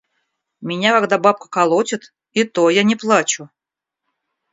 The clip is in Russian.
– Меня когда бабка колотит, и то я не плачу!